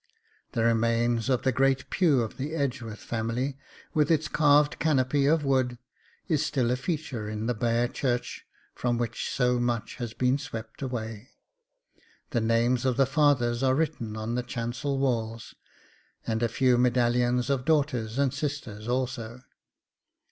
The remains of the great pew of the Edgeworth family, with its carved canopy of wood, is still a feature in the bare church from which so much has been swept away. The names of the fathers are written on the chancel walls, and a few medallions of daughters and sisters also.